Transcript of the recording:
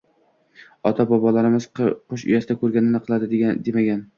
Ota -bobolarimiz: "Qush uyasida ko'rganini qildi", demagan